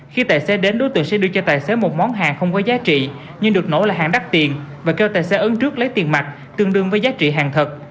khi tài xế đến đối tượng sẽ đưa cho tài xế một món hạng không có giá trị nhưng được nổ là hạng đắt tiền và kêu tài xế ứng trước lấy tiền mạch tương đương với giá trị hạng thật